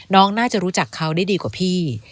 น้องน่าจะรู้จักเขาได้ดีกว่าพี่